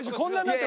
って。